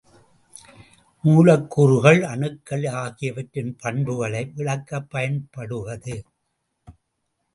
மூலக் கூறுகள், அணுக்கள் ஆகியவற்றின் பண்புகளை விளக்கப் பயன்படுவது.